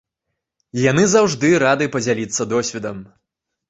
Яны заўжды рады падзяліцца досведам.